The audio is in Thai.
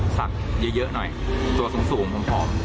สักเยอะหน่อยตัวสูงผอม